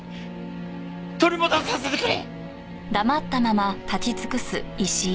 取り戻させてくれ！